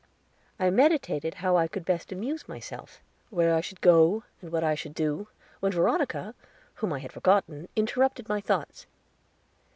I meditated how I could best amuse myself, where I should go, and what I should do, when Veronica, whom I had forgotten, interrupted my thoughts.